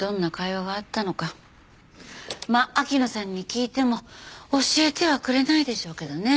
まあ秋野さんに聞いても教えてはくれないでしょうけどね。